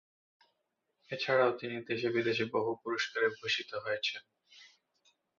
এছাড়াও তিনি দেশে-বিদেশে বহু পুরস্কারে ভূষিত হয়েছেন।